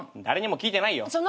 誰にも聞いてないよ。